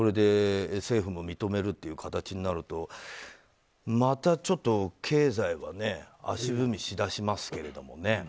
政府も認めるという形になるとまたちょっと経済はね足踏みし出しますけれどね。